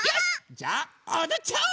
じゃあおどっちゃおう！